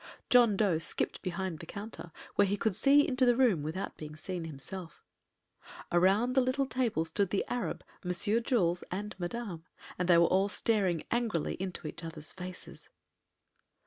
John Dough skipped behind the counter, where he could see into the room without being seen himself. Around the little table stood the Arab, Monsieur Jules, and Madame, and they were all staring angrily into each other's faces.